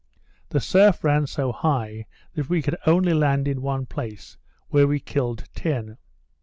The surf ran so high that we could only land in one place, where we killed ten.